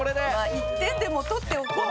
１点でも取っておこう。